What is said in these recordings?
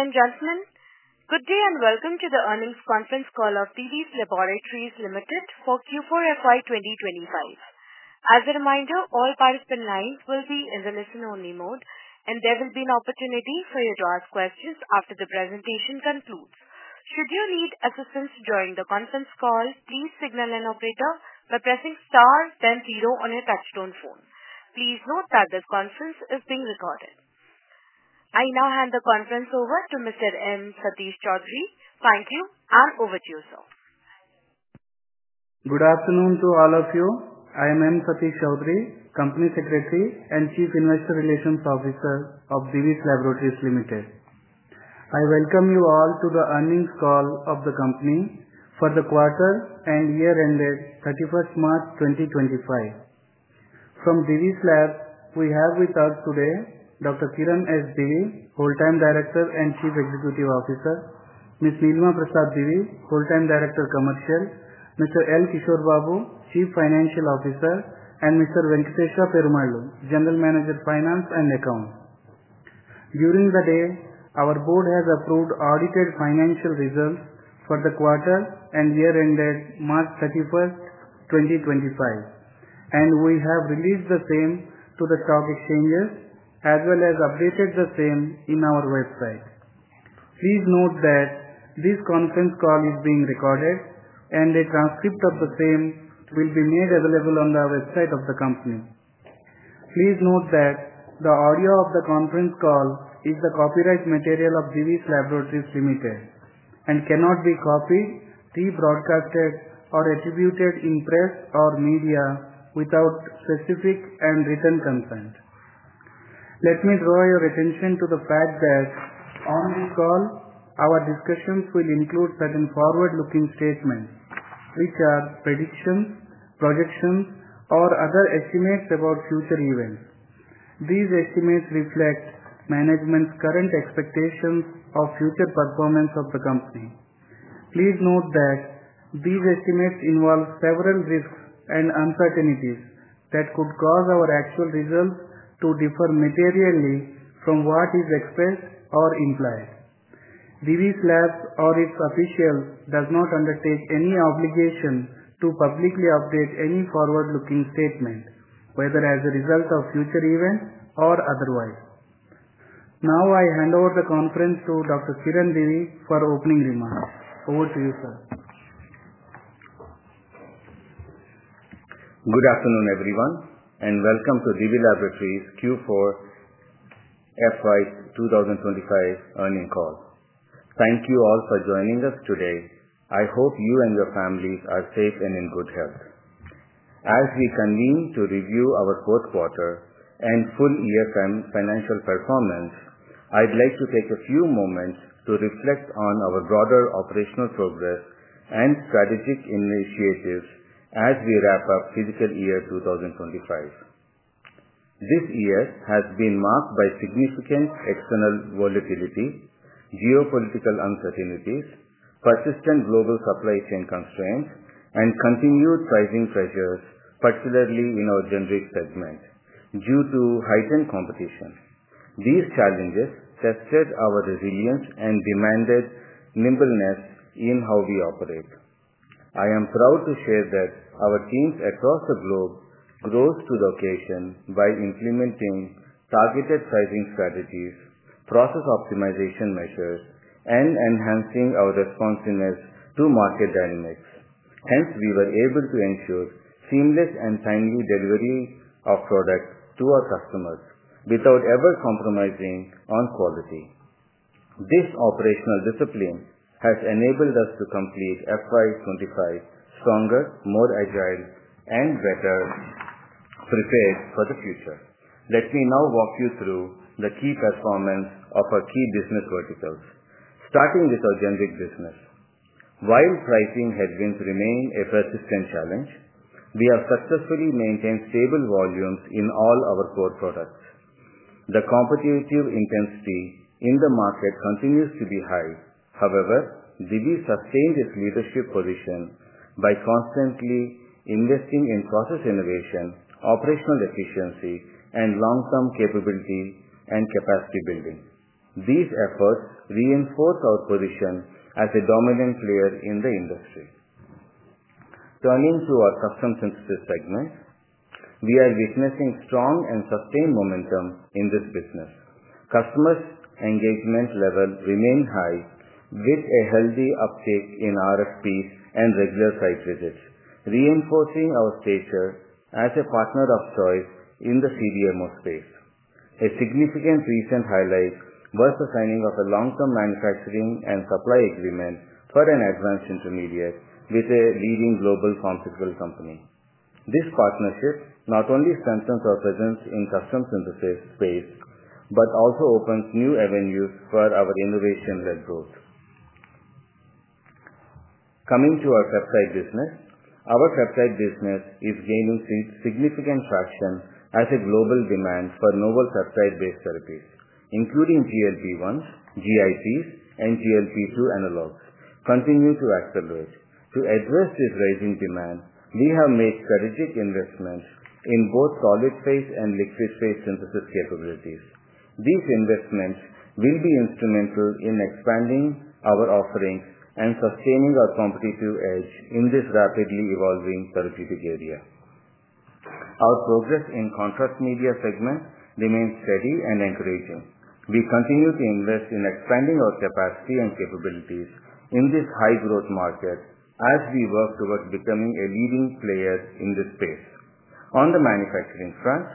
Ladies and gentlemen, good day and welcome to the earnings conference call of Divi's Laboratories Limited for Q4 FY 2025. As a reminder, all participant lines will be in the listen-only mode, and there will be an opportunity for you to ask questions after the presentation concludes. Should you need assistance during the conference call, please signal an operator by pressing star, then zero on your touch-tone phone. Please note that this conference is being recorded. I now hand the conference over to Mr. M. Satish Choudhury. Thank you, and over to you, sir. Good afternoon to all of you. I am M. Satish Choudhury, Company Secretary and Chief Investor Relations Officer of Divi's Laboratories Limited. I welcome you all to the earnings call of the company for the quarter and year-ended, 31st March 2025. From Divi's Lab, we have with us today Dr. Kiran S. Divi, Whole Time Director and Chief Executive Officer; Ms. Nilima Prasad Divi, Whole Time Director Commercial; Mr. L. Kishore Babu, Chief Financial Officer; and Mr. Venkateshra Perumalu, General Manager, Finance and Accounts. During the day, our board has approved audited financial results for the quarter and year-ended, March 31st, 2025, and we have released the same to the stock exchanges as well as updated the same in our website. Please note that this conference call is being recorded, and a transcript of the same will be made available on the website of the company. Please note that the audio of the conference call is the copyright material of Divi's Laboratories Limited and cannot be copied, rebroadcasted, or attributed in press or media without specific and written consent. Let me draw your attention to the fact that on this call, our discussions will include certain forward-looking statements, which are predictions, projections, or other estimates about future events. These estimates reflect management's current expectations of future performance of the company. Please note that these estimates involve several risks and uncertainties that could cause our actual results to differ materially from what is expressed or implied. Divi's Laboratories Limited, or its officials, does not undertake any obligation to publicly update any forward-looking statement, whether as a result of future events or otherwise. Now, I hand over the conference to Dr. Kiran S. Divi for opening remarks. Over to you, sir. Good afternoon, everyone, and welcome to Divi's Laboratories Q4 FY 2025 Earnings Call. Thank you all for joining us today. I hope you and your families are safe and in good health. As we convene to review our fourth quarter and full FYM financial performance, I'd like to take a few moments to reflect on our broader operational progress and strategic initiatives as we wrap up fiscal year 2025. This year has been marked by significant external volatility, geopolitical uncertainties, persistent global supply chain constraints, and continued rising pressures, particularly in our generics segment, due to heightened competition. These challenges tested our resilience and demanded nimbleness in how we operate. I am proud to share that our teams across the globe rose to the occasion by implementing targeted pricing strategies, process optimization measures, and enhancing our responsiveness to market dynamics. Hence, we were able to ensure seamless and timely delivery of product to our customers without ever compromising on quality. This operational discipline has enabled us to complete FY 2025 stronger, more agile, and better prepared for the future. Let me now walk you through the key performance of our key business verticals. Starting with our generic business, while pricing headwinds remain a persistent challenge, we have successfully maintained stable volumes in all our core products. The competitive intensity in the market continues to be high. However, Divi's sustained its leadership position by constantly investing in process innovation, operational efficiency, and long-term capability and capacity building. These efforts reinforce our position as a dominant player in the industry. Turning to our custom synthesis segment, we are witnessing strong and sustained momentum in this business. Customer engagement levels remain high, with a healthy uptake in RFPs and regular site visits, reinforcing our stature as a partner of choice in the CDMO space. A significant recent highlight was the signing of a long-term manufacturing and supply agreement for an Advanced Intermediate with a leading global pharmaceutical company. This partnership not only strengthens our presence in custom synthesis space but also opens new avenues for our innovation-led growth. Coming to our peptides business, our peptides business is gaining significant traction as the global demand for novel peptide-based therapies, including GLP-1s, GIPs, and GLP-2 analogs, continues to accelerate. To address this rising demand, we have made strategic investments in both solid phase and liquid phase synthesis capabilities. These investments will be instrumental in expanding our offerings and sustaining our competitive edge in this rapidly evolving therapeutic area. Our progress in the Contrast Media segment remains steady and encouraging. We continue to invest in expanding our capacity and capabilities in this high-growth market as we work towards becoming a leading player in this space. On the manufacturing front,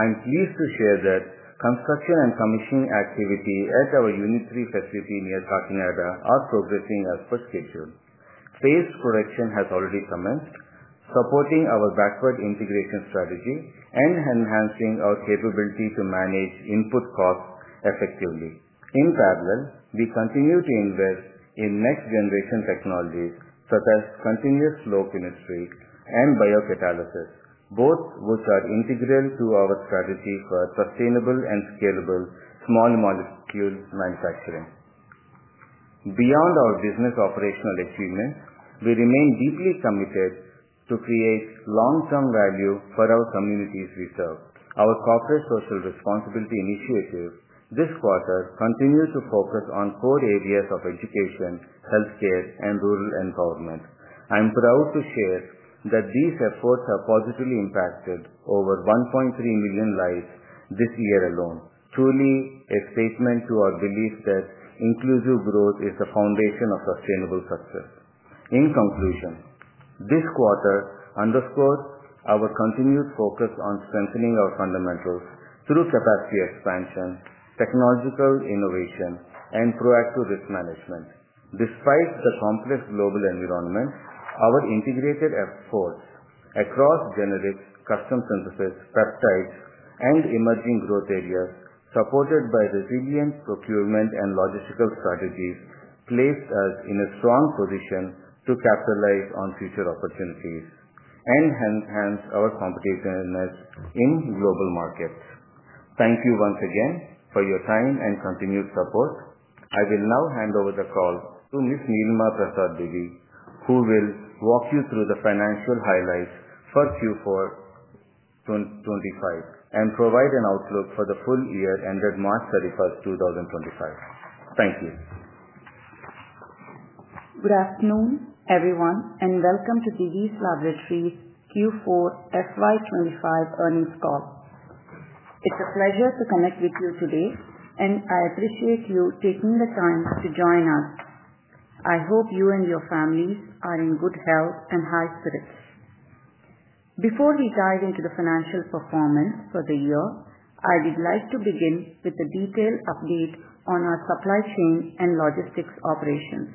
I'm pleased to share that construction and commissioning activity at our Unit 3 facility near Kakinada are progressing as per schedule. Phase correction has already commenced, supporting our backward integration strategy and enhancing our capability to manage input costs effectively. In parallel, we continue to invest in next-generation technologies such as continuous flow chemistry and biocatalysis, both of which are integral to our strategy for sustainable and scalable small molecule manufacturing. Beyond our business operational achievements, we remain deeply committed to create long-term value for our communities we serve. Our corporate social responsibility initiative this quarter continues to focus on core areas of education, healthcare, and rural empowerment. I'm proud to share that these efforts have positively impacted over 1.3 million lives this year alone, truly a statement to our belief that inclusive growth is the foundation of sustainable success. In conclusion, this quarter underscores our continued focus on strengthening our fundamentals through capacity expansion, technological innovation, and proactive risk management. Despite the complex global environment, our integrated efforts across generics, custom synthesis, peptides, and emerging growth areas, supported by resilient procurement and logistical strategies, place us in a strong position to capitalize on future opportunities and enhance our competitiveness in global markets. Thank you once again for your time and continued support. I will now hand over the call to Ms. Nilima Prasad Divi, who will walk you through the financial highlights for Q4 2025 and provide an outlook for the full year ended March 31, 2025. Thank you. Good afternoon, everyone, and welcome to Divi's Laboratories Q4 FY 2025 Earnings Call. It's a pleasure to connect with you today, and I appreciate you taking the time to join us. I hope you and your families are in good health and high spirits. Before we dive into the financial performance for the year, I'd like to begin with a detailed update on our supply chain and logistics operations,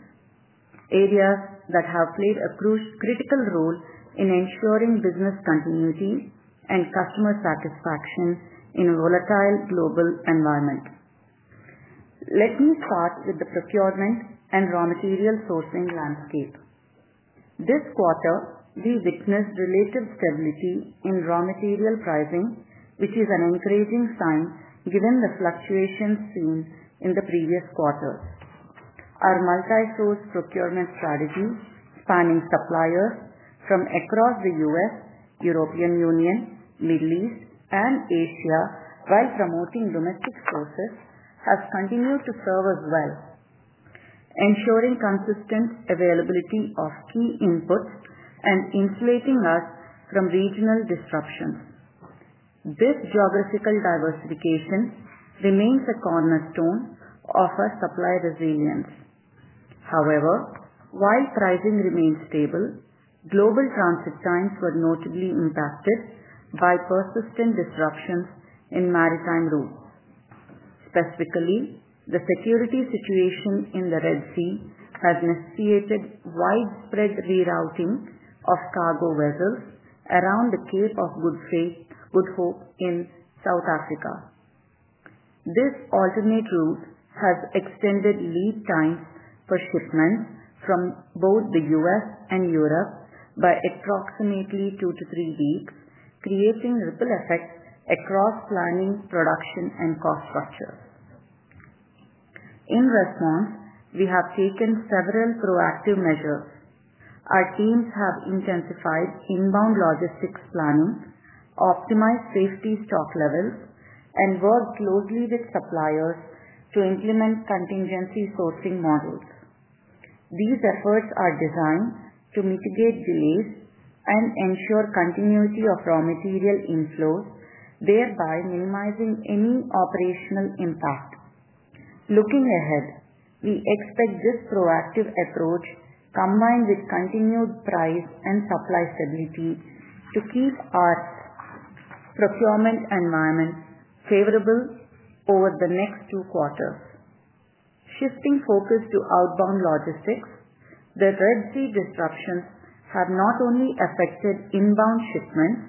areas that have played a critical role in ensuring business continuity and customer satisfaction in a volatile global environment. Let me start with the procurement and raw material sourcing landscape. This quarter, we witnessed relative stability in raw material pricing, which is an encouraging sign given the fluctuations seen in the previous quarter. Our multi-source procurement strategy, spanning suppliers from across the U.S., European Union, Middle East, and Asia while promoting domestic sources, has continued to serve us well, ensuring consistent availability of key inputs and insulating us from regional disruptions. This geographical diversification remains a cornerstone of our supply resilience. However, while pricing remained stable, global transit times were notably impacted by persistent disruptions in maritime routes. Specifically, the security situation in the Red Sea has initiated widespread rerouting of cargo vessels around the Cape of Good Hope in South Africa. This alternate route has extended lead times for shipments from both the U.S. and Europe by approximately two weeks-three weeks, creating ripple effects across planning, production, and cost structure. In response, we have taken several proactive measures. Our teams have intensified inbound logistics planning, optimized safety stock levels, and worked closely with suppliers to implement contingency sourcing models. These efforts are designed to mitigate delays and ensure continuity of raw material inflows, thereby minimizing any operational impact. Looking ahead, we expect this proactive approach, combined with continued price and supply stability, to keep our procurement environment favorable over the next two quarters. Shifting focus to outbound logistics, the Red Sea disruptions have not only affected inbound shipments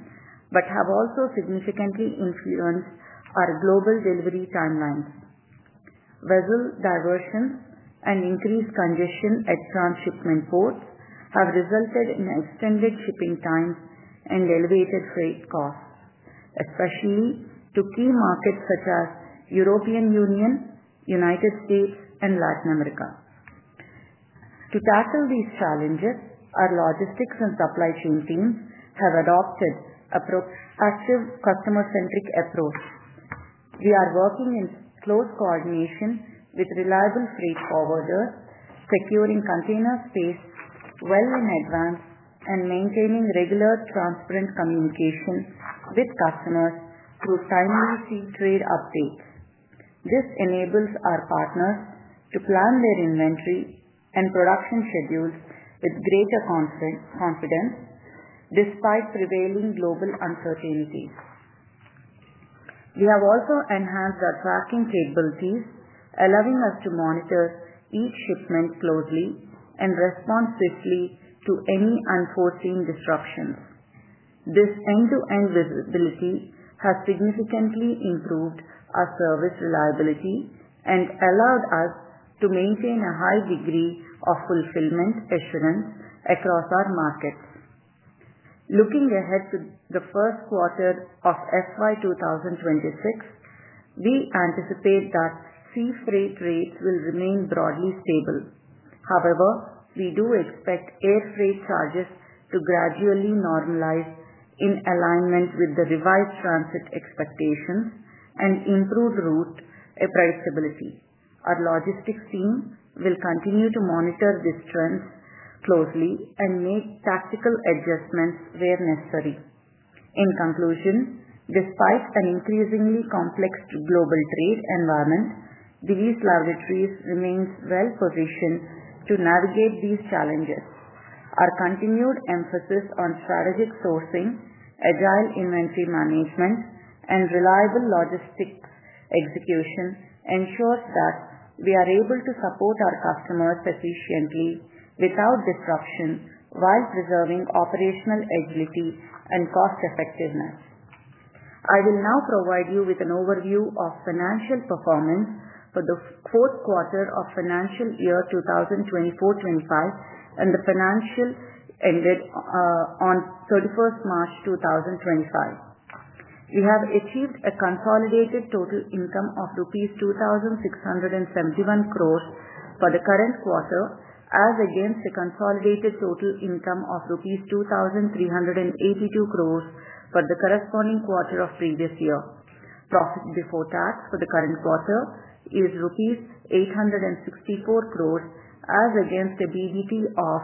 but have also significantly influenced our global delivery timelines. Vessel diversions and increased congestion at transshipment ports have resulted in extended shipping times and elevated freight costs, especially to key markets such as the European Union, the United States, and Latin America. To tackle these challenges, our logistics and supply chain teams have adopted an active customer-centric approach. We are working in close coordination with reliable freight forwarders, securing container space well in advance and maintaining regular transparent communication with customers through timely sea trade updates. This enables our partners to plan their inventory and production schedules with greater confidence despite prevailing global uncertainties. We have also enhanced our tracking capabilities, allowing us to monitor each shipment closely and respond swiftly to any unforeseen disruptions. This end-to-end visibility has significantly improved our service reliability and allowed us to maintain a high degree of fulfillment assurance across our markets. Looking ahead to the first quarter of FY 2026, we anticipate that sea freight rates will remain broadly stable. However, we do expect air freight charges to gradually normalize in alignment with the revised transit expectations and improve route predictability. Our logistics team will continue to monitor these trends closely and make tactical adjustments where necessary. In conclusion, despite an increasingly complex global trade environment, Divi's Laboratories remains well-positioned to navigate these challenges. Our continued emphasis on strategic sourcing, agile inventory management, and reliable logistics execution ensures that we are able to support our customers efficiently without disruption while preserving operational agility and cost-effectiveness. I will now provide you with an overview of financial performance for the fourth quarter of financial year 2024-2025 and the financial year ended on 31st March 2025. We have achieved a consolidated total income of rupees 2,671 crore for the current quarter, as against a consolidated total income of rupees 2,382 crore for the corresponding quarter of previous year. Profit before tax for the current quarter is rupees 864 crore, as against a PBT of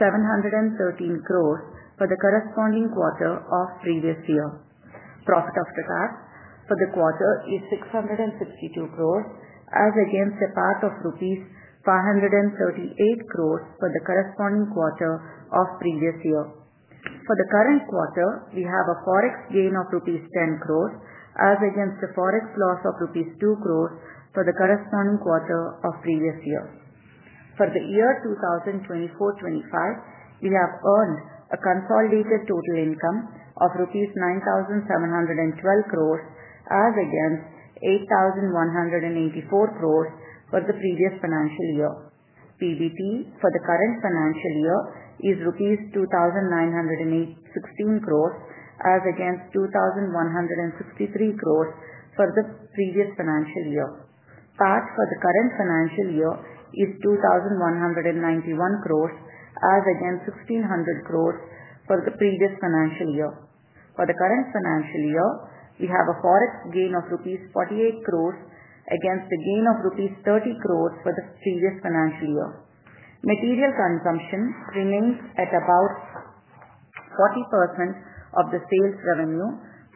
713 crore for the corresponding quarter of previous year. Profit after tax for the quarter is INR 662 crore, as against a PAT of INR 538 crore for the corresponding quarter of previous year. For the current quarter, we have a forex gain of rupees 10 crores, as against a forex loss of rupees 2 crores for the corresponding quarter of previous year. For the year 2024-2025, we have earned a consolidated total income of INR 9,712 crores, as against 8,184 crores for the previous financial year. PBT for the current financial year is rupees 2,916 crores, as against 2,163 crores for the previous financial year. PAT for the current financial year is 2,191 crores, as against 1,600 crores for the previous financial year. For the current financial year, we have a forex gain of rupees 48 crores, against a gain of rupees 30 crores for the previous financial year. Material consumption remains at about 40% of the sales revenue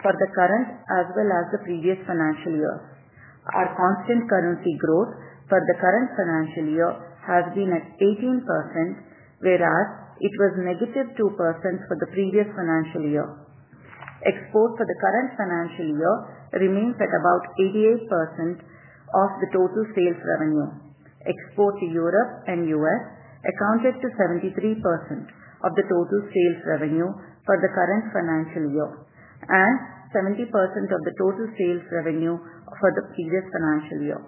for the current as well as the previous financial year. Our constant currency growth for the current financial year has been at 18%, whereas it was -2% for the previous financial year. Export for the current financial year remains at about 88% of the total sales revenue. Export to Europe and U.S. accounted to 73% of the total sales revenue for the current financial year, and 70% of the total sales revenue for the previous financial year.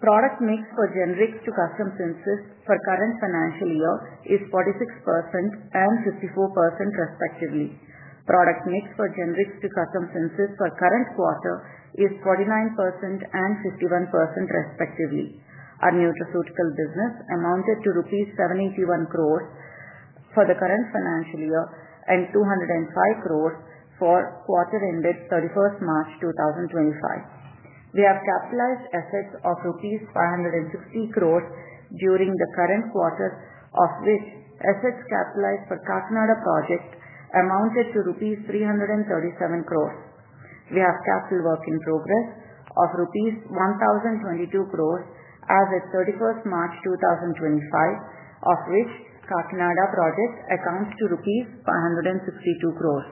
Product mix for generics to custom synthesis for current financial year is 46% and 54%, respectively. Product mix for generics to custom synthesis for current quarter is 49% and 51%, respectively. Our nutraceutical business amounted to rupees 781 crore for the current financial year and 205 crore for quarter-ended 31st March 2025. We have capitalized assets of 560 crore rupees during the current quarter, of which assets capitalized for Kakinada project amounted to rupees 337 crore. We have capital work in progress of rupees 1,022 crores as of 31st March 2025, of which Kakinada project accounts to rupees 562 crores.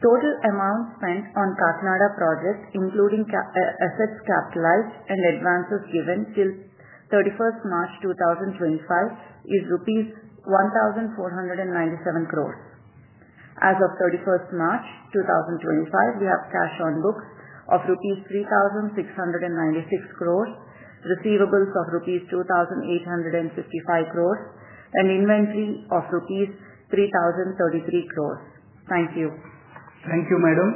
Total amount spent on Kakinada project, including assets capitalized and advances given till 31st March 2025, is rupees 1,497 crores. As of 31st March 2025, we have cash on books of INR 3,696 crores, receivables of INR 2,855 crores, and inventory of INR 3,033 crores. Thank you. Thank you, madam.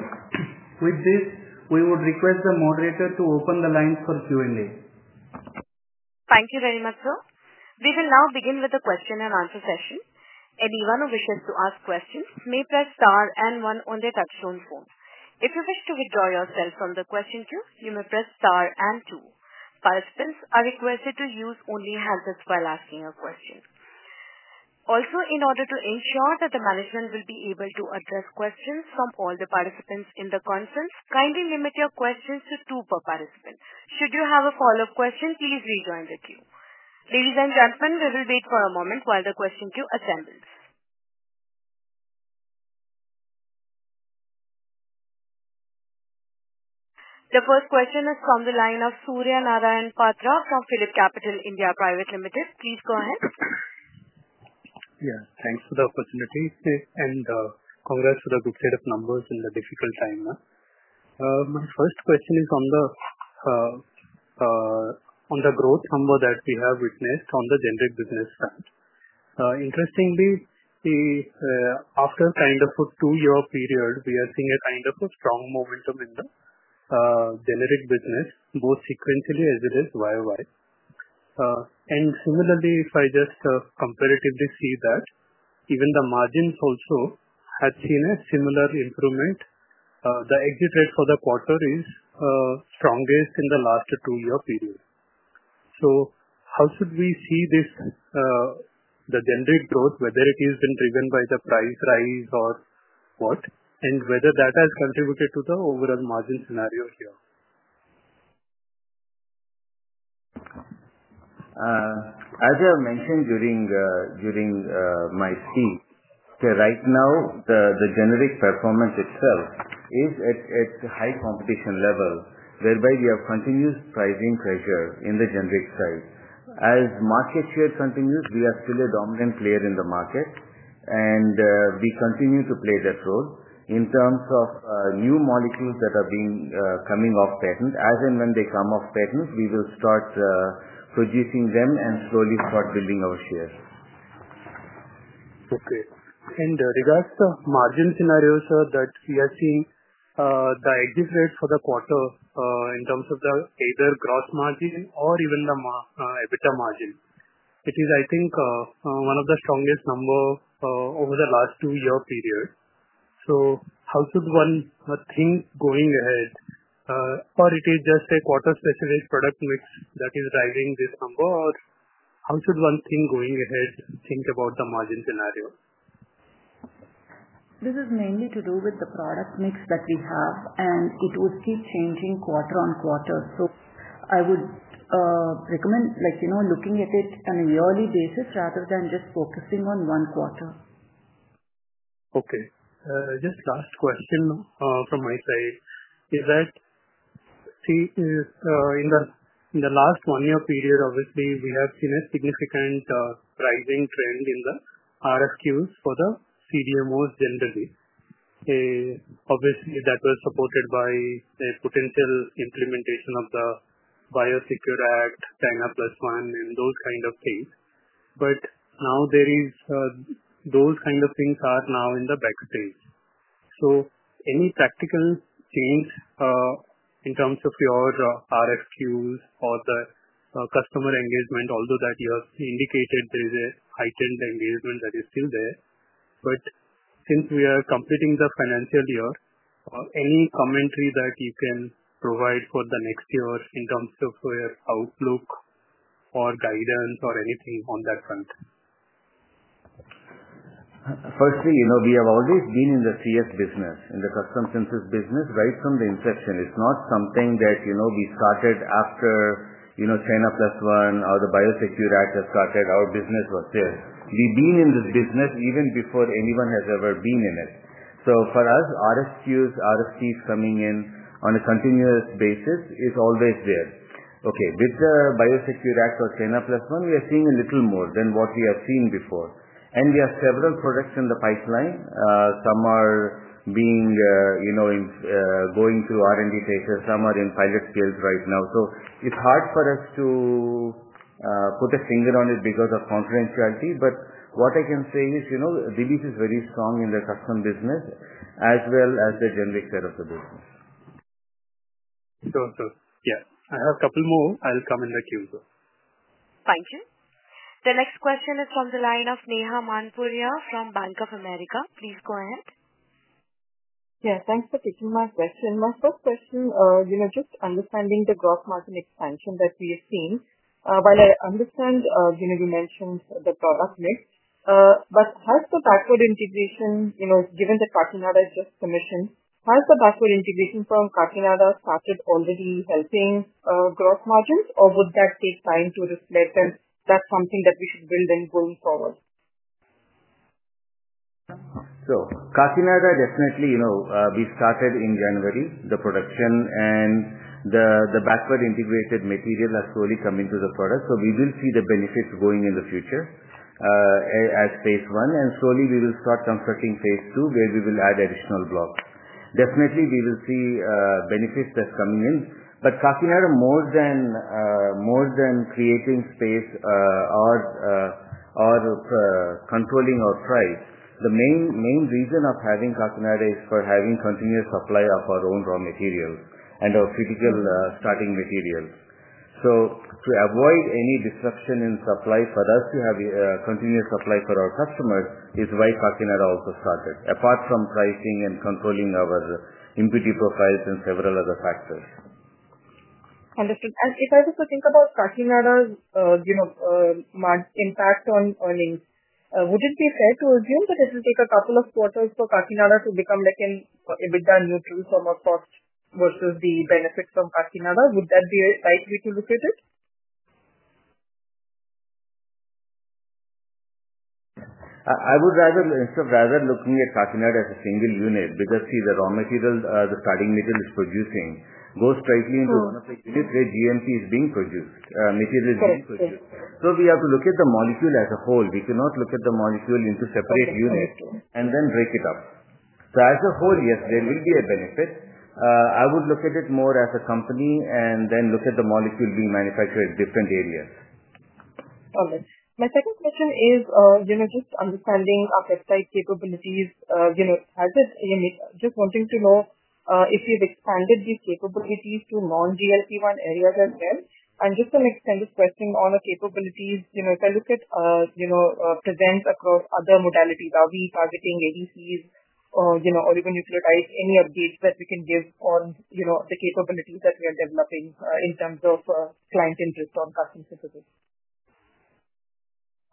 With this, we would request the moderator to open the lines for Q&A. Thank you very much, sir. We will now begin with the question and answer session. Anyone who wishes to ask questions may press star and one on their touchstone phone. If you wish to withdraw yourself from the question queue, you may press star and two. Participants are requested to use only hands while asking a question. Also, in order to ensure that the management will be able to address questions from all the participants in the conference, kindly limit your questions to two per participant. Should you have a follow-up question, please rejoin the queue. Ladies and gentlemen, we will wait for a moment while the question queue assembles. The first question is from the line of Surya Narayan Patra from Philip Capital (India) Private Limited. Please go ahead. Yeah, thanks for the opportunity. And congrats for the good set of numbers in the difficult time. My first question is on the growth number that we have witnessed on the generic business side. Interestingly, after kind of a two-year period, we are seeing a kind of a strong momentum in the generic business, both sequentially as it is YOY. And similarly, if I just comparatively see that, even the margins also had seen a similar improvement. The exit rate for the quarter is strongest in the last two-year period. So how should we see this, the generic growth, whether it has been driven by the price rise or what, and whether that has contributed to the overall margin scenario here? As I have mentioned during my speech, right now, the generic performance itself is at a high competition level, whereby we have continuous pricing pressure in the generic side. As market share continues, we are still a dominant player in the market, and we continue to play that role in terms of new molecules that are coming off patent. As and when they come off patent, we will start producing them and slowly start building our share. Okay. In regards to the margin scenario, sir, we are seeing the exit rate for the quarter in terms of either the gross margin or even the EBITDA margin, it is, I think, one of the strongest numbers over the last two-year period. How should one think going ahead? Is it just a quarter-specific product mix that is driving this number, or how should one think going ahead to think about the margin scenario? This is mainly to do with the product mix that we have, and it will keep changing quarter on quarter. I would recommend looking at it on a yearly basis rather than just focusing on one quarter. Okay. Just last question from my side. In the last one-year period, obviously, we have seen a significant rising trend in the RFQs for the CDMOs generally. Obviously, that was supported by the potential implementation of the Biosecure Act, China Plus One, and those kind of things. Now those kind of things are now in the back stage. Any practical change in terms of your RFQs or the customer engagement, although you have indicated there is a heightened engagement that is still there? Since we are completing the financial year, any commentary that you can provide for the next year in terms of your outlook or guidance or anything on that front? Firstly, we have always been in the CS business, in the custom synthesis business, right from the inception. It's not something that we started after China Plus One or the Biosecure Act has started. Our business was there. We've been in this business even before anyone has ever been in it. For us, RFQs, RFPs coming in on a continuous basis is always there. Okay. With the Biosecure Act or China Plus One, we are seeing a little more than what we have seen before. We have several products in the pipeline. Some are going through R&D phases. Some are in pilot fields right now. It's hard for us to put a finger on it because of confidentiality. What I can say is Divi's is very strong in the custom business as well as the generic side of the business. Yeah, I have a couple more. I'll come in the queue, sir. Thank you. The next question is from the line of Neha Manpuria from Bank of America. Please go ahead. Yeah, thanks for taking my question. My first question, just understanding the gross margin expansion that we have seen, while I understand you mentioned the product mix, but has the backward integration, given that Kakinada has just commissioned, has the backward integration from Kakinada started already helping gross margins, or would that take time to reflect, and that's something that we should build in going forward? Kakinada, definitely, we started in January, the production, and the backward integrated material has slowly come into the product. We will see the benefits going in the future as phase I, and slowly we will start constructing phase II where we will add additional blocks. Definitely, we will see benefits that are coming in. Kakinada, more than creating space or controlling our price, the main reason of having Kakinada is for having continuous supply of our own raw materials and our critical starting materials. To avoid any disruption in supply for us to have continuous supply for our customers is why Kakinada also started, apart from pricing and controlling our impeding profiles and several other factors. If I was to think about Kakinada's impact on earnings, would it be fair to assume that it will take a couple of quarters for Kakinada to become like an EBITDA neutral from a cost versus the benefits from Kakinada? Would that be right way to look at it? I would rather, instead of rather looking at Kakinada as a single unit, because see, the raw material, the starting material is producing, goes straightly into one of the units where GMP is being produced, material is being produced. We have to look at the molecule as a whole. We cannot look at the molecule into separate units and then break it up. As a whole, yes, there will be a benefit. I would look at it more as a company and then look at the molecule being manufactured in different areas. My second question is just understanding our peptide site capabilities. Just wanting to know if you've expanded these capabilities to non-GLP-1 areas as well. Just an extended question on the capabilities, if I look at presence across other modalities, are we targeting ADCs or even nucleotides, any updates that we can give on the capabilities that we are developing in terms of client interest on custom synthesis?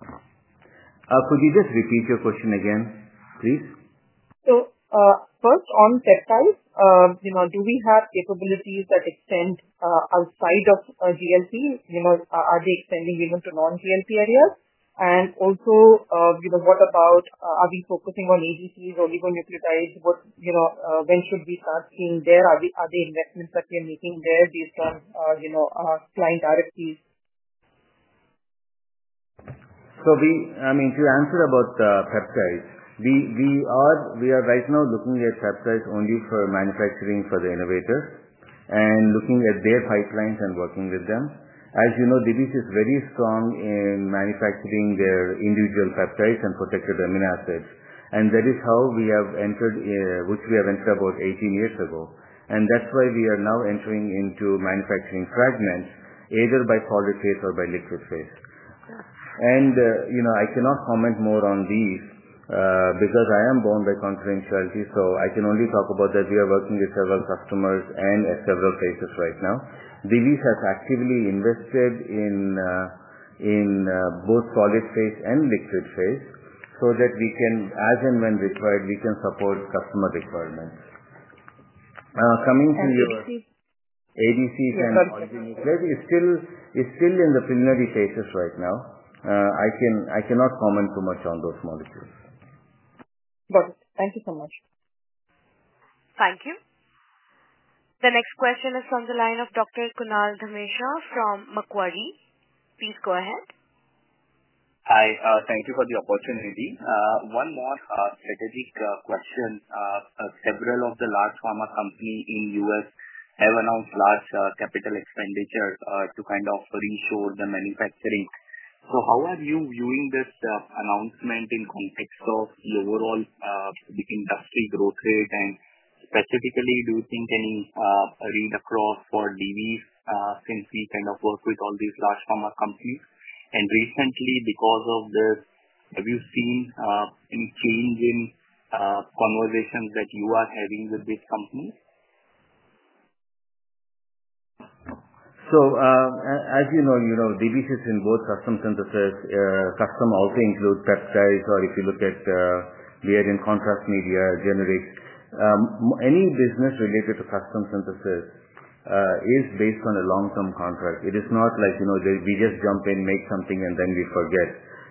Could you just repeat your question again, please? First, on peptides, do we have capabilities that extend outside of GLP? Are they extending even to non-GLP areas? Also, what about, are we focusing on ABCs or even nucleotides? When should we start seeing there? Are there investments that we are making there based on client RFPs? I mean, to answer about peptides, we are right now looking at peptides only for manufacturing for the innovators and looking at their pipelines and working with them. As you know, Divi's is very strong in manufacturing their individual peptides and protected amino acids. That is how we have entered, which we have entered about 18 years ago. That is why we are now entering into manufacturing fragments, either by solid phase or by liquid phase. I cannot comment more on these because I am bound by confidentiality, so I can only talk about that we are working with several customers and at several phases right now. Divi's has actively invested in both solid phase and liquid phase so that we can, as and when required, support customer requirements. Coming to your. ABC. ABCs and molecules. Yeah, sorry. It's still in the preliminary phases right now. I cannot comment too much on those molecules. Got it. Thank you so much. Thank you. The next question is from the line of Dr. Kunal Dhamesha from Macquarie. Please go ahead. Hi. Thank you for the opportunity. One more strategic question. Several of the large pharma companies in the U.S. have announced large capital expenditures to kind of reshore the manufacturing. How are you viewing this announcement in context of the overall industry growth rate? Specifically, do you think any read across for Divi's since we kind of work with all these large pharma companies? Recently, because of this, have you seen any change in conversations that you are having with these companies? As you know, Divi's is in both custom synthesis. Custom also includes peptides, or if you look at we are in contrast media, generic. Any business related to custom synthesis is based on a long-term contract. It is not like we just jump in, make something, and then we forget.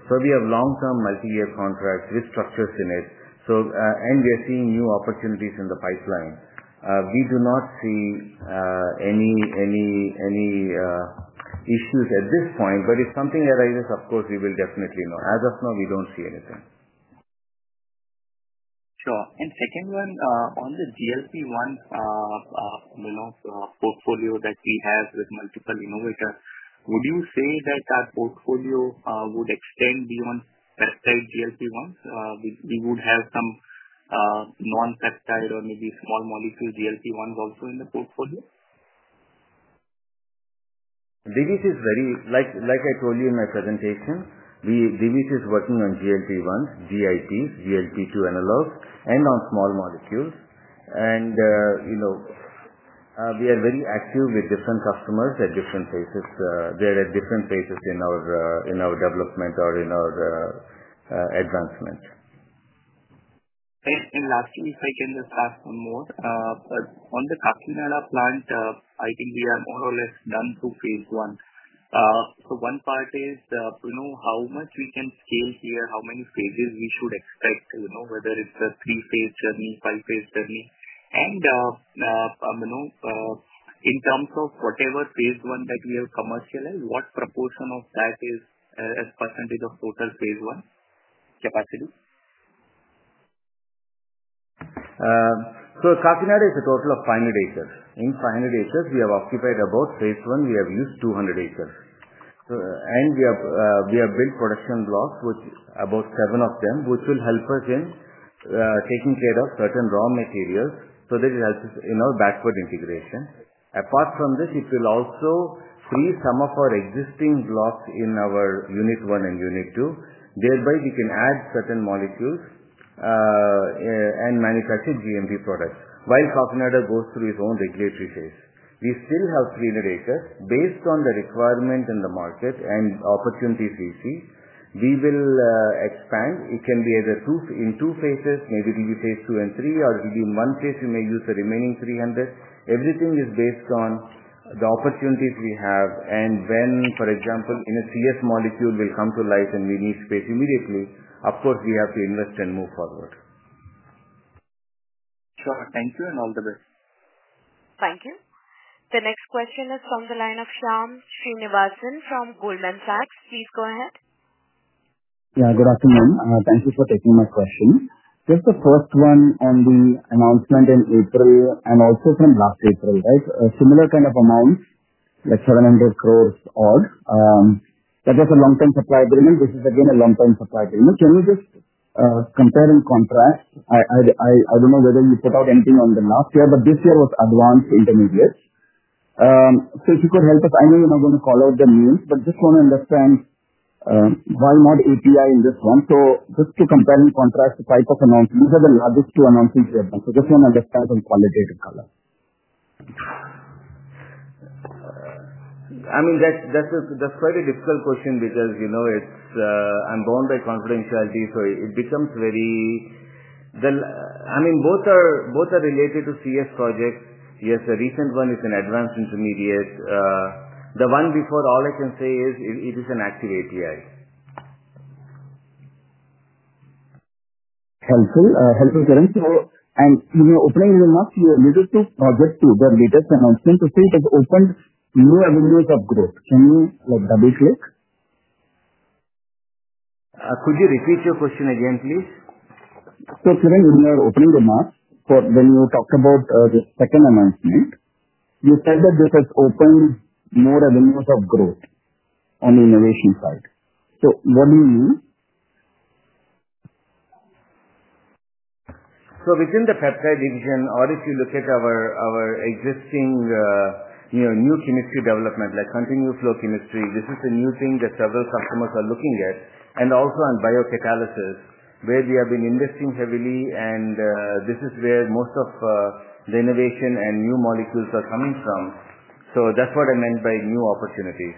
We have long-term multi-year contracts with structures in it. We are seeing new opportunities in the pipeline. We do not see any issues at this point, but if something arises, of course, we will definitely know. As of now, we do not see anything. Sure. Second one, on the GLP-1 portfolio that we have with multiple innovators, would you say that that portfolio would extend beyond peptide GLP-1s? We would have some non-peptide or maybe small molecule GLP-1s also in the portfolio. Divi's is very, like I told you in my presentation, Divi's is working on GLP-1s, GIPs, GLP-2 analogs, and on small molecules. We are very active with different customers at different phases. They are at different phases in our development or in our advancement. Lastly, if I can just ask one more, but on the Kakinada plant, I think we are more or less done through phase I. One part is how much we can scale here, how many phases we should expect, whether it is a three-phase journey, five-phase journey. In terms of whatever phase I that we have commercialized, what proportion of that is as percentage of total phase one capacity? Kakinada is a total of 500 acres. In 500 acres, we have occupied about phase I. We have used 200 acres. We have built production blocks, about seven of them, which will help us in taking care of certain raw materials so that it helps us in our backward integration. Apart from this, it will also free some of our existing blocks in our unit one and unit two. Thereby, we can add certain molecules and manufacture GMP products while Kakinada goes through its own regulatory phase. We still have 300 acres. Based on the requirement in the market and opportunities we see, we will expand. It can be either in two phases. Maybe it will be phase II and phase III, or it will be in one phase. We may use the remaining 300. Everything is based on the opportunities we have. When, for example, in a CS molecule will come to life and we need space immediately, of course, we have to invest and move forward. Sure. Thank you and all the best. Thank you. The next question is from the line of Shyam Srinivasan from Goldman Sachs. Please go ahead. Yeah, good afternoon. Thank you for taking my question. Just the first one on the announcement in April and also from last April, right? Similar kind of amounts, like 700 crore odd. But that's a long-term supply agreement. This is, again, a long-term supply agreement. Can we just compare and contrast? I don't know whether you put out anything on the last year, but this year was advanced intermediates. If you could help us, I know you're not going to call out the names, but just want to understand why not API in this one. Just to compare and contrast the type of announcement, these are the largest two announcements we have done. Just want to understand some qualitative color. I mean, that's quite a difficult question because I'm bound by confidentiality, so it becomes very, I mean, both are related to CS projects. Yes, the recent one is an advanced intermediate. The one before, all I can say is it is an active API. Helpful, helpful, Kiran. In opening remarks, you alluded to or just to the latest announcement. You said it has opened new avenues of growth. Can you double-click? Could you repeat your question, please? Kiran, when you were opening the mark, when you talked about the second announcement, you said that this has opened more avenues of growth on the innovation side. What do you mean? Within the peptide division, or if you look at our existing new chemistry development, like continuous flow chemistry, this is a new thing that several customers are looking at. Also on biocatalysis, where we have been investing heavily, and this is where most of the innovation and new molecules are coming from. That's what I meant by new opportunities.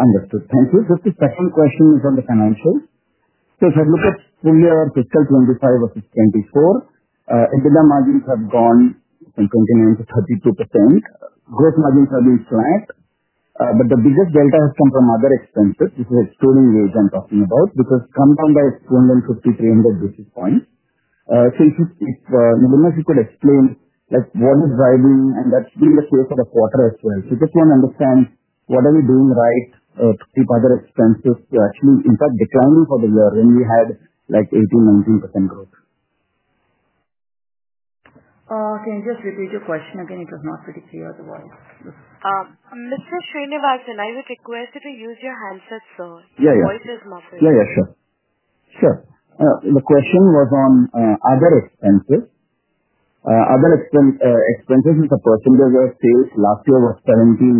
Understood. Thank you. Just the second question is on the financials. If I look at earlier fiscal 2025 versus 2024, EBITDA margins have gone from 29%-32%. Gross margins have been flat, but the biggest delta has come from other expenses, which is the exposing range I am talking about, which has come down by 250 basis points-300 basis points. If you could explain what is driving, and that has been the case for the quarter as well. I just want to understand what are we doing right to keep other expenses actually in fact declining for the year when we had like 18%-19% growth. Can you just repeat your question again? It was not pretty clear, the words. Mr. Srinivasan, I would request you to use your handset, sir. The voice is muffled. Yeah, yeah, sure. Sure. The question was on other expenses. Other expenses as a percentage of sales last year was 17%,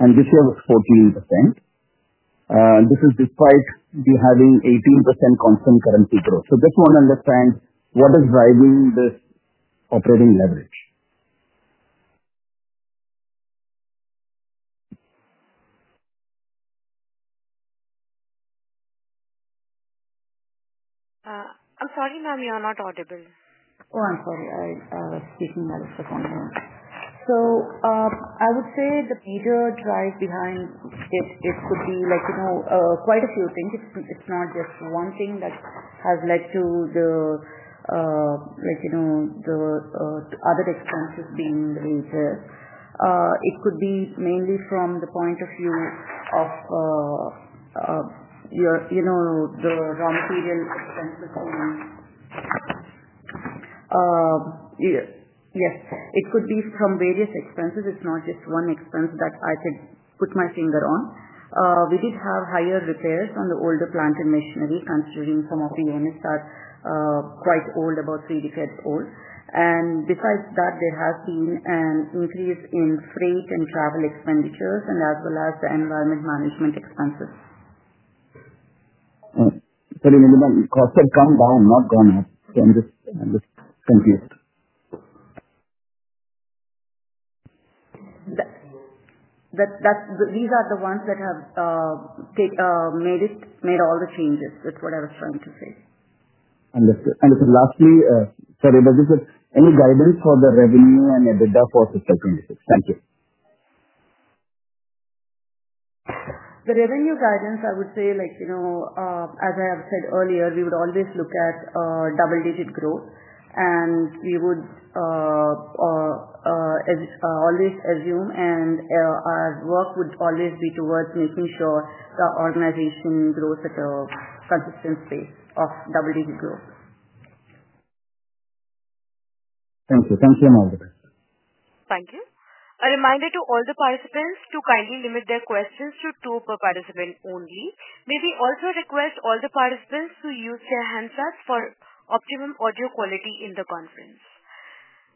and this year was 14%. This is despite we having 18% constant currency growth. Just want to understand what is driving this operating leverage. I'm sorry, ma'am. You are not audible. Oh, I'm sorry. I was speaking at a phone. I would say the major drive behind it could be quite a few things. It's not just one thing that has led to the other expenses being the major. It could be mainly from the point of view of the raw material expenses. Yes. It could be from various expenses. It's not just one expense that I could put my finger on. We did have higher repairs on the older plant and machinery, considering some of the units are quite old, about three decades old. Besides that, there has been an increase in freight and travel expenditures, as well as the environment management expenses. Sorry, maybe the costs have gone down, not gone up. So I'm just confused. These are the ones that have made all the changes. That is what I was trying to say. Understood. Lastly, sorry, but just any guidance for the revenue and EBITDA for fiscal 2026? Thank you. The revenue guidance, I would say, as I have said earlier, we would always look at double-digit growth, and we would always assume, and our work would always be towards making sure the organization grows at a consistent pace of double-digit growth. Thank you. Thank you and all the best. Thank you. A reminder to all the participants to kindly limit their questions to two per participant only. May we also request all the participants to use their handsets for optimum audio quality in the conference?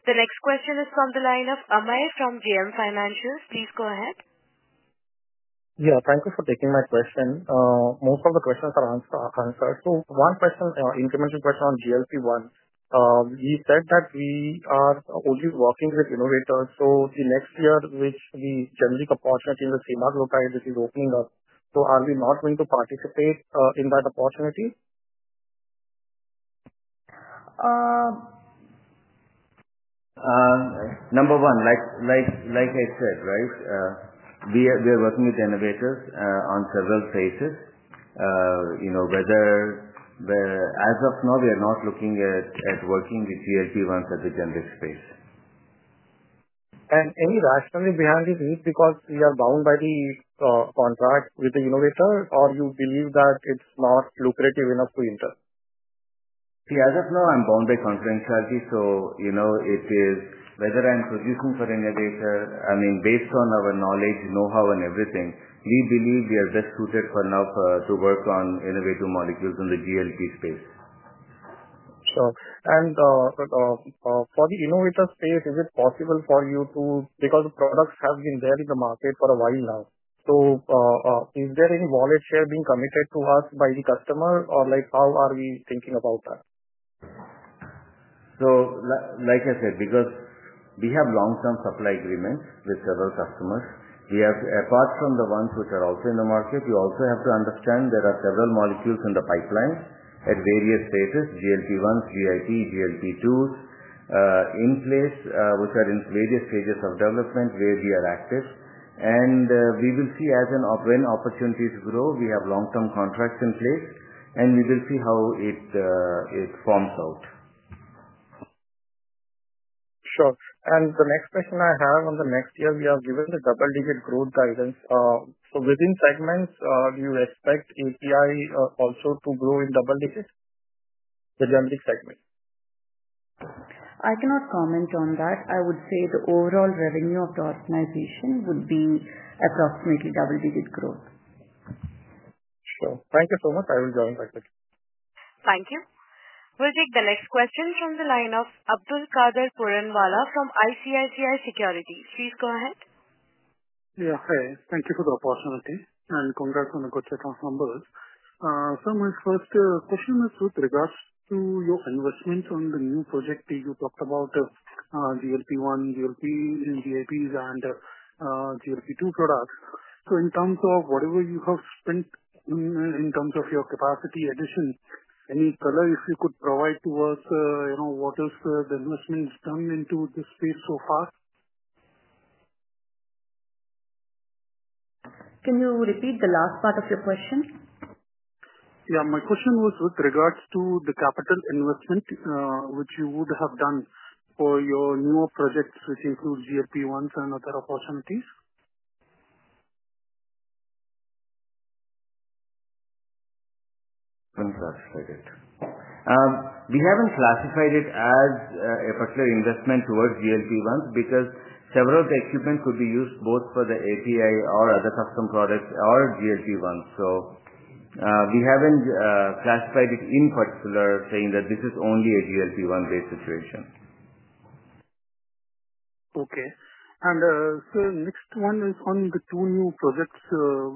The next question is from the line of Amir from JM Financial. Please go ahead. Yeah. Thank you for taking my question. Most of the questions are answered. One question, incremental question on GLP-1. We said that we are only working with innovators. The next year, which we generally have opportunity in the semag local, which is opening up, are we not going to participate in that opportunity? Number one, like I said, right, we are working with innovators on several phases. As of now, we are not looking at working with GLP-1s at the generic space. Any rationale behind it? Is it because you are bound by the contract with the innovator, or you believe that it's not lucrative enough to enter? See, as of now, I'm bound by confidentiality. So whether I'm producing for innovator, I mean, based on our knowledge, know-how, and everything, we believe we are best suited for now to work on innovative molecules in the GLP space. Sure. For the innovator space, is it possible for you to, because the products have been there in the market for a while now, is there any wallet share being committed to us by the customer, or how are we thinking about that? Like I said, because we have long-term supply agreements with several customers, apart from the ones which are also in the market, you also have to understand there are several molecules in the pipeline at various phases: GLP-1s, GIPs, GLP-2s in place, which are in various stages of development where we are active. We will see when opportunities grow, we have long-term contracts in place, and we will see how it forms out. Sure. The next question I have on the next year, we are given the double-digit growth guidance. Within segments, do you expect API also to grow in double digits, the generic segment? I cannot comment on that. I would say the overall revenue of the organization would be approximately double-digit growth. Sure. Thank you so much. I will join back with you. Thank you. We'll take the next question from the line of Abdul Qadir Puranwala from ICICI Securities. Please go ahead. Yeah. Hi. Thank you for the opportunity. Congrats on the good set of numbers. My first question is with regards to your investment on the new project you talked about, GLP-1, GLPs, and GIPs, and GLP-2 products. In terms of whatever you have spent in terms of your capacity addition, any color if you could provide to us what is the investment done into this space so far? Can you repeat the last part of your question? Yeah. My question was with regards to the capital investment which you would have done for your newer projects, which include GLP-1s and other opportunities. Contrasted it. We have not classified it as a particular investment towards GLP-1s because several of the equipment could be used both for the API or other custom products or GLP-1s. We have not classified it in particular, saying that this is only a GLP-1-based situation. Okay. Next one is on the two new projects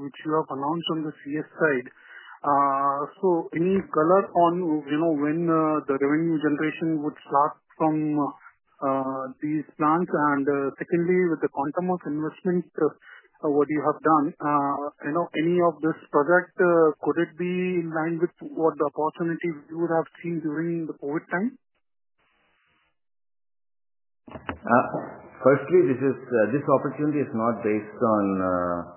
which you have announced on the CS side. Any color on when the revenue generation would start from these plants? Secondly, with the quantum of investment, what you have done, any of this project, could it be in line with what the opportunity you would have seen during the COVID time? Firstly, this opportunity is not based on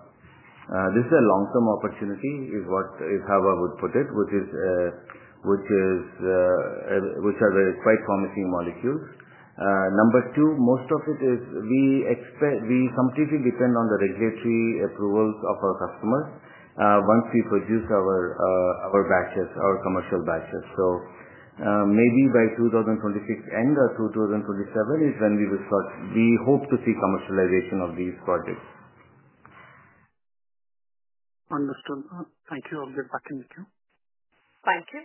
this is a long-term opportunity, is how I would put it, which are quite promising molecules. Number two, most of it is we completely depend on the regulatory approvals of our customers once we produce our batches, our commercial batches. Maybe by 2026 end or 2027 is when we will start. We hope to see commercialization of these projects. Understood. Thank you. I'll get back too. Thank you.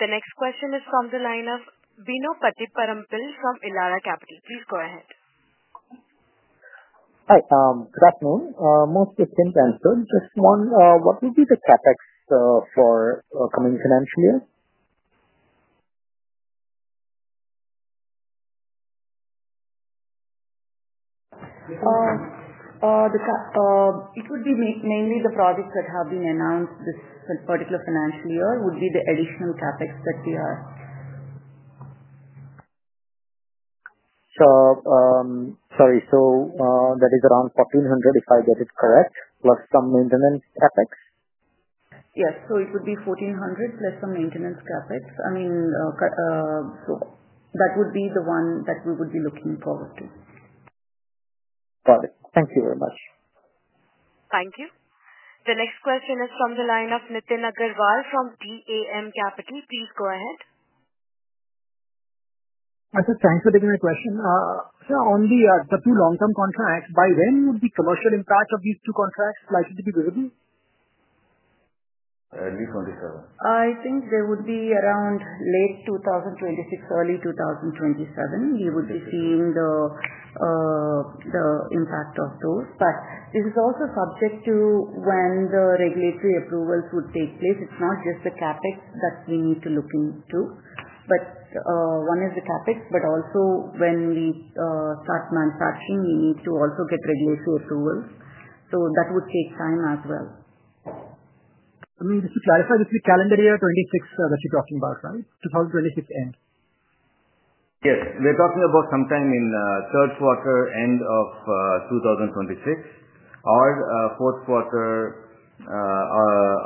The next question is from the line of Bino Patiparampil from Elara Capital. Please go ahead. Hi. Good afternoon. Mostly simple answer. Just one, what will be the CapEx for coming financial year? It would be mainly the projects that have been announced this particular financial year would be the additional CapEx that we are. Sorry. That is around ₹1,400, if I get it correct, plus some maintenance CapEx? Yes. It would be ₹1,400 million plus some maintenance CapEx. I mean, that would be the one that we would be looking forward to. Got it. Thank you very much. Thank you. The next question is from the line of Nitin Agarwal from DAM Capital. Please go ahead. Thanks for taking my question. On the two long-term contracts, by when would the commercial impact of these two contracts likely to be visible? Early '27. I think there would be around late 2026, early 2027. We would be seeing the impact of those. This is also subject to when the regulatory approvals would take place. It's not just the CapEx that we need to look into. One is the CapEx, but also when we start manufacturing, we need to also get regulatory approval. That would take time as well. I mean, just to clarify, this is calendar year 2026 that you're talking about, right? 2026 end? Yes. We're talking about sometime in third quarter, end of 2026, or fourth quarter,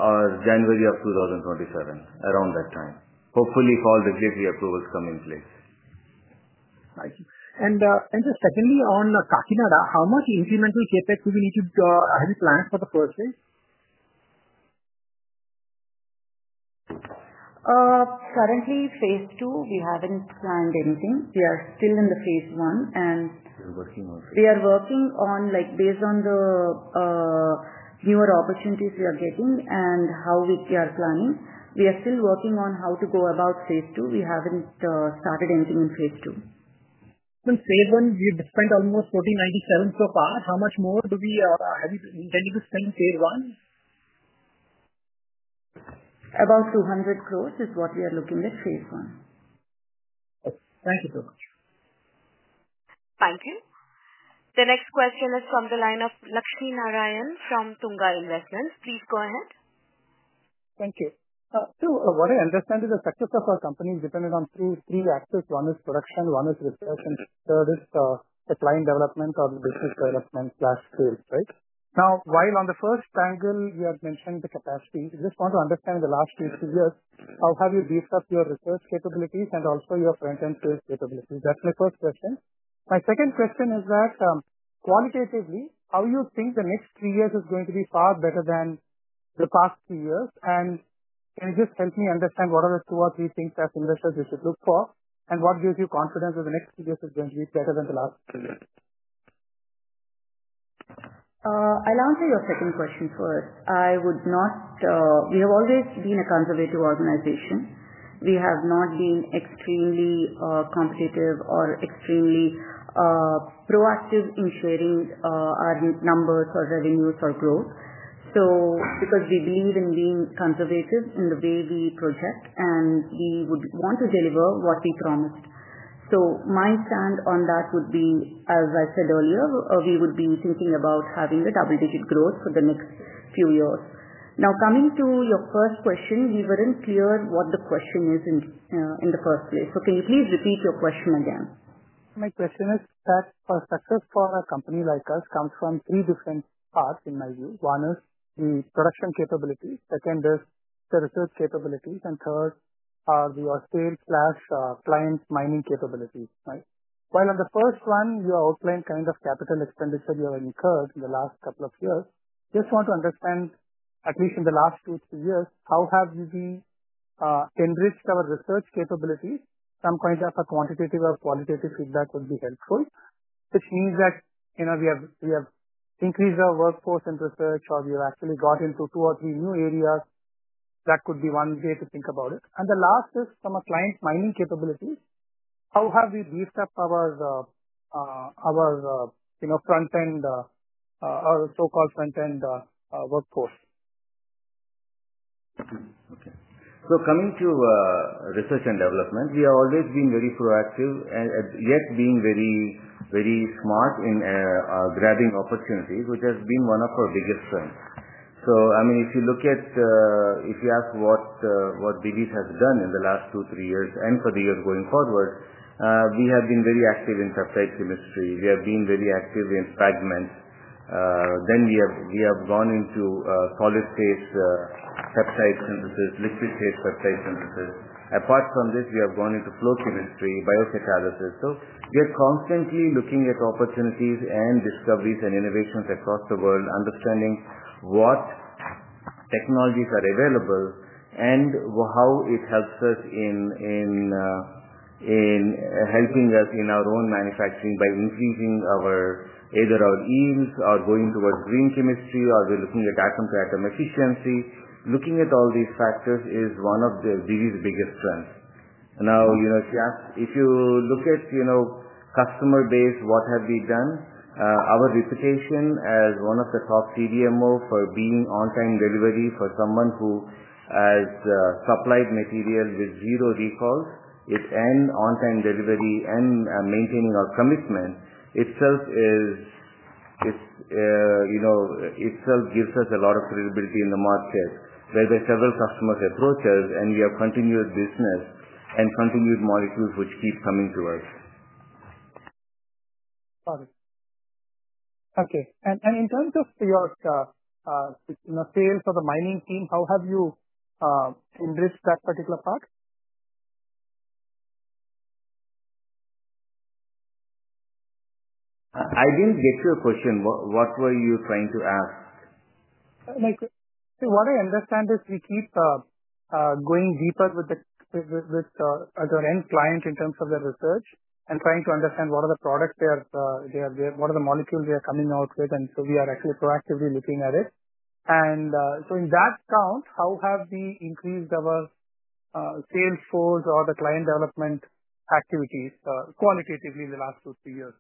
or January of 2027, around that time. Hopefully, if all regulatory approvals come in place. Thank you. Secondly, on Kakinada, how much incremental CapEx do we need to have you planned for the first phase? Currently, phase II, we haven't planned anything. We are still in phase I, and we are working on based on the newer opportunities we are getting and how we are planning. We are still working on how to go about phase II. We haven't started anything in phase I. Phase one, we've spent almost 1,497 so far. How much more do we have intended to spend in phase I? About 200 crore is what we are looking at phase one. Thank you so much. Thank you. The next question is from the line of Lakshmi Narayan from Tunga Investments. Please go ahead. Thank you. So what I understand is the success of our company is dependent on three axes. One is production, one is research, and third is the client development or the business development/sales, right? Now, while on the first angle, you had mentioned the capacity, I just want to understand in the last two years - three years, how have you built up your research capabilities and also your front-end sales capabilities? That's my first question. My second question is that, qualitatively, how do you think the next three years is going to be far better than the past three years? And can you just help me understand what are the two or three things as investors you should look for, and what gives you confidence that the next three years is going to be better than the last three years? I'll answer your second question first. We have always been a conservative organization. We have not been extremely competitive or extremely proactive in sharing our numbers or revenues or growth. We believe in being conservative in the way we project, and we would want to deliver what we promised. My stand on that would be, as I said earlier, we would be thinking about having a double-digit growth for the next few years. Now, coming to your first question, we were not clear what the question is in the first place. Can you please repeat your question again? My question is that success for a company like us comes from three different parts, in my view. One is the production capabilities. Second is the research capabilities. Third are the sales/client mining capabilities, right? While on the first one, you outlined kind of capital expenditure you have incurred in the last couple of years, just want to understand, at least in the last two years-three years, how have we enriched our research capabilities? Some kind of quantitative or qualitative feedback would be helpful, which means that we have increased our workforce in research, or we have actually got into two or three new areas. That could be one way to think about it. The last is from a client mining capability. How have we built up our front-end or so-called front-end workforce? Okay. Coming to research and development, we have always been very proactive and yet being very smart in grabbing opportunities, which has been one of our biggest strengths. I mean, if you look at if you ask what Divi's has done in the last two years-three years and for the years going forward, we have been very active in peptide chemistry. We have been very active in fragments. Then we have gone into solid phase peptide synthesis, liquid phase peptide synthesis. Apart from this, we have gone into flow chemistry, biocatalysis. We are constantly looking at opportunities and discoveries and innovations across the world, understanding what technologies are available and how it helps us in helping us in our own manufacturing by increasing either our yields or going towards green chemistry, or we are looking at atom-to-atom efficiency. Looking at all these factors is one of Divi's biggest strengths. Now, if you look at customer base, what have we done? Our reputation as one of the top CDMO for being on-time delivery for someone who has supplied material with zero recalls, and on-time delivery and maintaining our commitment itself gives us a lot of credibility in the market where there are several customers' approaches, and we have continued business and continued molecules which keep coming to us. Got it. Okay. In terms of your sales or the mining team, how have you enriched that particular part? I didn't get your question. What were you trying to ask? What I understand is we keep going deeper with our end client in terms of their research and trying to understand what are the products they have there, what are the molecules they are coming out with. We are actually proactively looking at it. In that count, how have we increased our sales force or the client development activities qualitatively in the last two years-three years?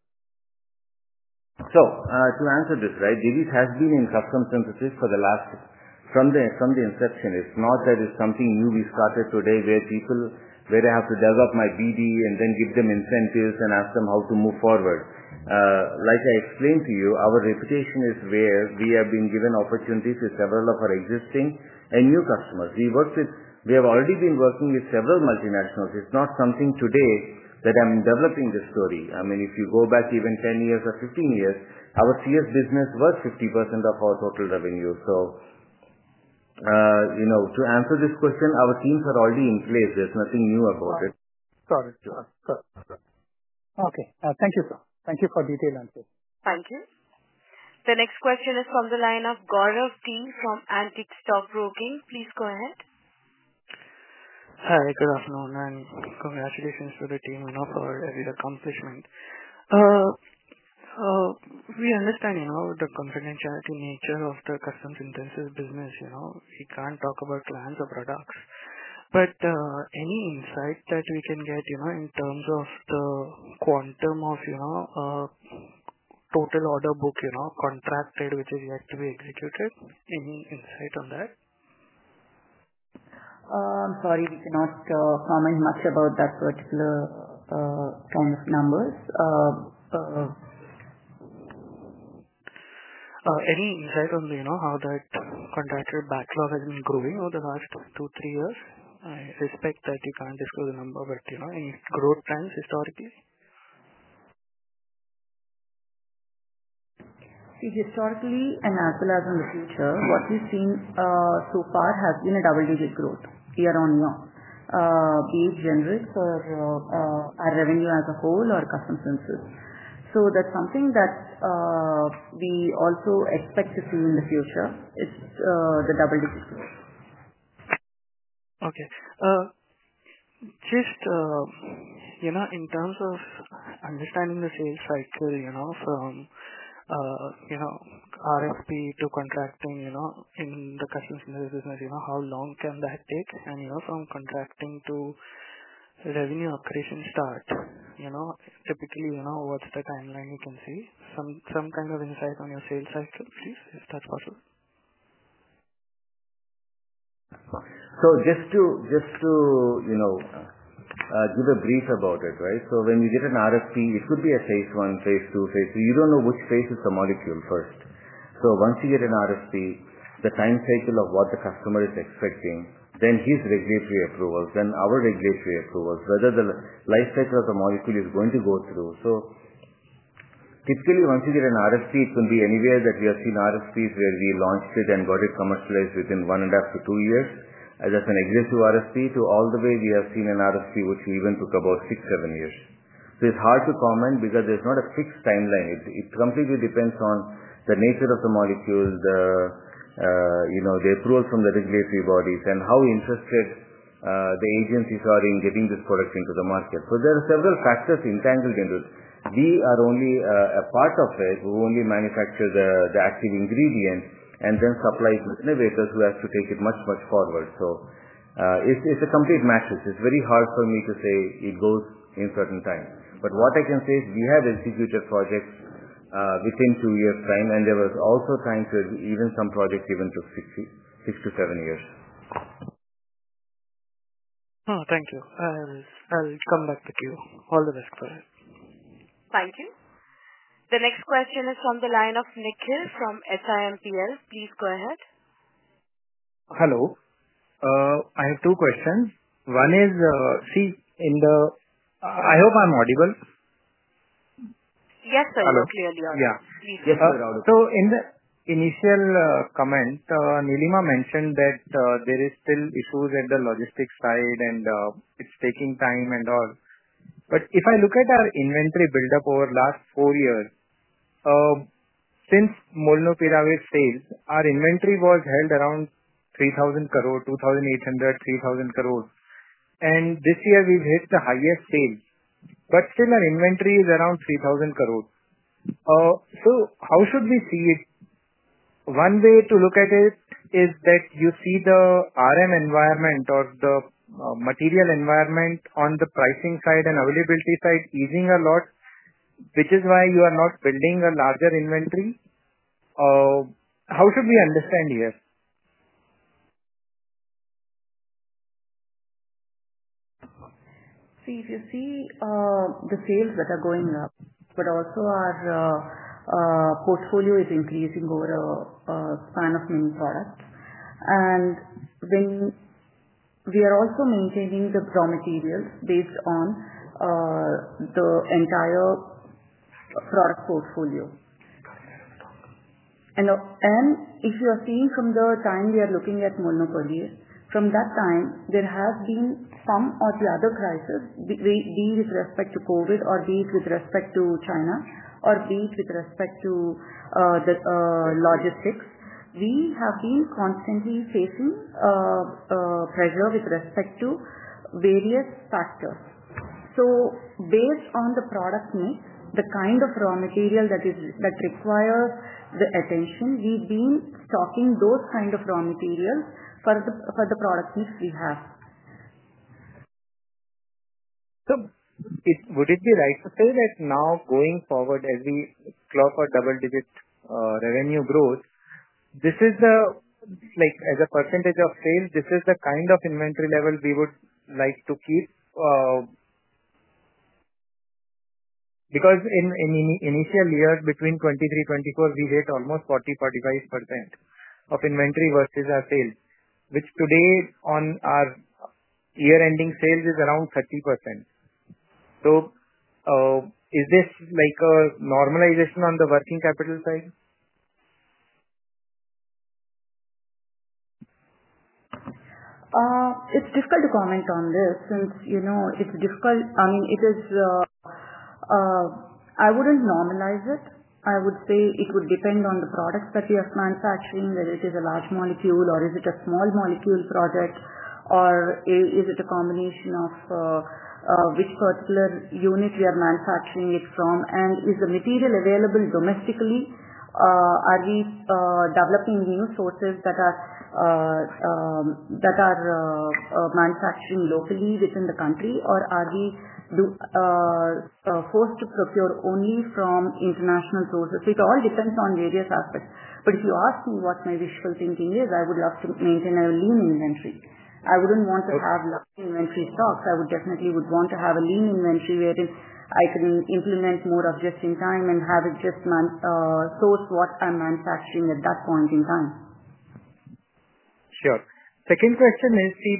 To answer this, right, Divi's has been in custom synthesis from the inception. It's not that it's something new we started today where people, where I have to develop my BD and then give them incentives and ask them how to move forward. Like I explained to you, our reputation is where we have been given opportunities with several of our existing and new customers. We have already been working with several multinationals. It's not something today that I'm developing this story. I mean, if you go back even 10 years, or 15 years, our CS business was 50% of our total revenue. To answer this question, our teams are already in place. There's nothing new about it. Got it. Okay. Thank you. Thank you for detailed answers. Thank you. The next question is from the line of Gaurav T. from Antique Stockbroking. Please go ahead. Hi. Good afternoon. Congratulations to the team for every accomplishment. We understand the confidentiality nature of the custom synthesis business. We cannot talk about clients or products. Any insight that we can get in terms of the quantum of total order book contracted, which is yet to be executed, any insight on that? I'm sorry. We cannot comment much about that particular kind of numbers. Any insight on how that contractor backlog has been growing over the last two to three years? I respect that you can't disclose a number, but any growth trends historically? Historically and as well as in the future, what we've seen so far has been a double-digit growth year on year, be it generic or our revenue as a whole or custom synthesis. That's something that we also expect to see in the future is the double-digit growth. Okay. Just in terms of understanding the sales cycle from RFP to contracting in the custom synthesis business, how long can that take? From contracting to revenue operation start, typically, what's the timeline you can see? Some kind of insight on your sales cycle, please, if that's possible. Just to give a brief about it, right? When you get an RFP, it could be a phase one, phase two, phase three. You do not know which phase is the molecule first. Once you get an RFP, the time cycle of what the customer is expecting, then his regulatory approvals, then our regulatory approvals, whether the life cycle of the molecule is going to go through. Typically, once you get an RFP, it can be anywhere that we have seen RFPs where we launched it and got it commercialized within one and a half to two years as an executive RFP to all the way we have seen an RFP which we even took about six, seven years. It is hard to comment because there is not a fixed timeline. It completely depends on the nature of the molecule, the approvals from the regulatory bodies, and how interested the agencies are in getting this product into the market. There are several factors entangled in it. We are only a part of it. We only manufacture the active ingredient and then supply it to the innovators who have to take it much, much forward. It is a complete matrix. It is very hard for me to say it goes in certain times. What I can say is we have executed projects within two years' time, and there were also times where even some projects even took six to seven years. Thank you. I'll come back with you. All the best for you. Thank you. The next question is from the line of Nikhil from SIMPL. Please go ahead. Hello. I have two questions. One is, see, in the I hope I'm audible? Yes, I hear you clearly. Yeah. Yes, I'm clearly audible. In the initial comment, Nilima mentioned that there are still issues at the logistics side, and it's taking time and all. If I look at our inventory buildup over the last four years, since Molnupiravir sales, our inventory was held around 3,000 crore, 2,800-3,000 crore. This year, we've hit the highest sales. Still, our inventory is around 3,000 crore. How should we see it? One way to look at it is that you see the RM environment or the material environment on the pricing side and availability side easing a lot, which is why you are not building a larger inventory. How should we understand here? See, if you see the sales that are going up, but also our portfolio is increasing over a span of many products. We are also maintaining the raw materials based on the entire product portfolio. If you are seeing from the time we are looking at Molnupiravir, from that time, there has been some or the other crisis, be it with respect to COVID or be it with respect to China or be it with respect to logistics. We have been constantly facing pressure with respect to various factors. Based on the product mix, the kind of raw material that requires the attention, we've been stocking those kind of raw materials for the product mix we have. Would it be right to say that now going forward, as we clock our double-digit revenue growth, as a percentage of sales, this is the kind of inventory level we would like to keep? Because in the initial year between 2023, 2024, we hit almost 40%-45% of inventory versus our sales, which today on our year-ending sales is around 30%. Is this a normalization on the working capital side? It's difficult to comment on this since it's difficult. I mean, I wouldn't normalize it. I would say it would depend on the products that we are manufacturing, whether it is a large molecule or is it a small molecule project, or is it a combination of which particular unit we are manufacturing it from. Is the material available domestically? Are we developing new sources that are manufacturing locally within the country, or are we forced to procure only from international sources? It all depends on various aspects. If you ask me what my wishful thinking is, I would love to maintain a lean inventory. I wouldn't want to have large inventory stocks. I would definitely want to have a lean inventory wherein I can implement more adjusting time and have it just source what I'm manufacturing at that point in time. Sure. Second question is, see,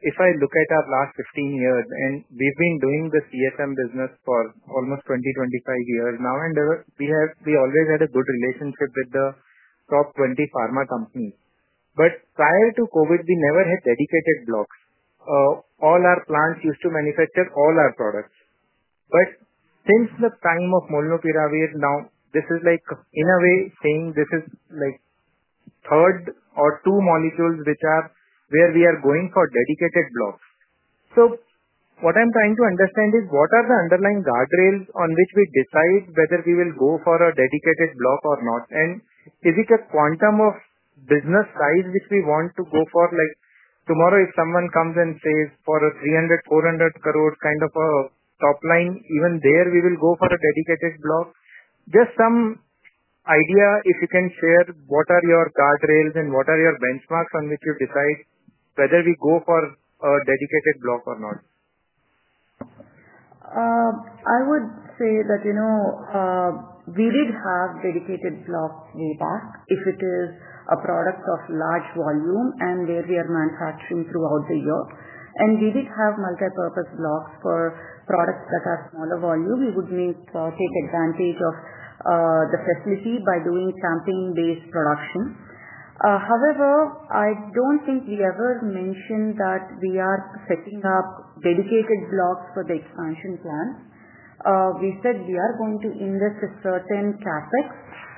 if I look at our last 15 years, and we've been doing the CSM business for almost 20years-25 years now, and we always had a good relationship with the top 20 pharma companies. Prior to COVID, we never had dedicated blocks. All our plants used to manufacture all our products. Since the time of Molnupiravir, now, this is in a way saying this is third or two molecules where we are going for dedicated blocks. What I'm trying to understand is what are the underlying guardrails on which we decide whether we will go for a dedicated block or not? Is it a quantum of business size which we want to go for? Tomorrow, if someone comes and says for a 300- 400 crore kind of a top line, even there, we will go for a dedicated block. Just some idea, if you can share what are your guardrails and what are your benchmarks on which you decide whether we go for a dedicated block or not? I would say that we did have dedicated blocks way back if it is a product of large volume and where we are manufacturing throughout the year. We did have multipurpose blocks for products that are smaller volume. We would take advantage of the facility by doing champagne-based production. However, I do not think we ever mentioned that we are setting up dedicated blocks for the expansion plan. We said we are going to invest a certain CapEx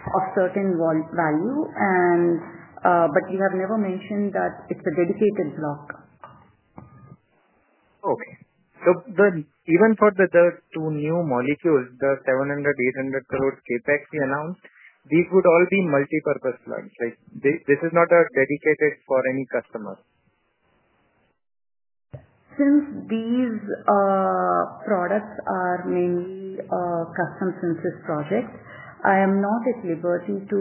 of certain value, but we have never mentioned that it is a dedicated block. Okay. So even for the two new molecules, the 700 crore-800 crore CapEx we announced, these would all be multipurpose blocks. This is not dedicated for any customer. Since these products are mainly custom synthesis projects, I am not at liberty to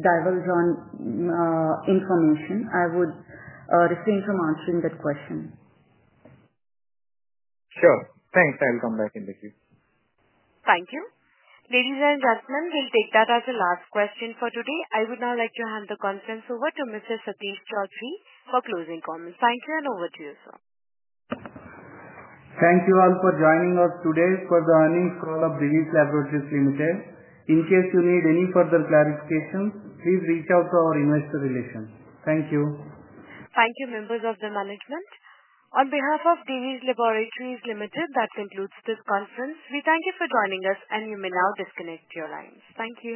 divulge on information. I would refrain from answering that question. Sure. Thanks. I'll come back in the queue. Thank you. Ladies and gentlemen, we'll take that as the last question for today. I would now like to hand the conference over to Mr. M. Satish Choudhury for closing comments. Thank you, and over to you, sir. Thank you all for joining us today for the earnings call of Divi's Laboratories Limited. In case you need any further clarifications, please reach out to our investor relations. Thank you. Thank you, members of the management. On behalf of Divi's Laboratories Limited, that concludes this conference. We thank you for joining us, and you may now disconnect your lines. Thank you.